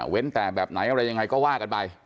แต่แบบไหนอะไรยังไงก็ว่ากันไป